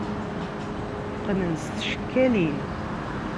Qqnen s tcekkalin.